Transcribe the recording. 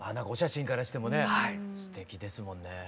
お写真からしてもねすてきですもんね。